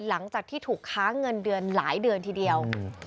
หลังจากที่ถูกค้างเงินเดือนหลายเดือนทีเดียว